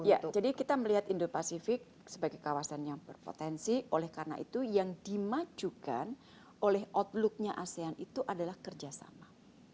ya jadi kita melihat indo pasifik sebagai kawasan yang berpotensi oleh karena itu yang dimajukan oleh outlooknya asean itu adalah kerjasama